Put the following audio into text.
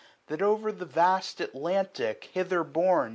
That o'er the vast Atlantic hither borne.